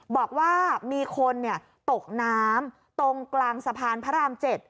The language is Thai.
บอกว่ามีคนตกน้ำตรงกลางสะพานพระราม๗